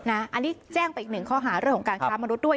อันนี้แจ้งไปอีกหนึ่งข้อหาเรื่องของการค้ามนุษย์ด้วย